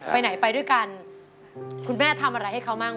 ไปไหนไปด้วยกันคุณแม่ทำอะไรให้เขามั่ง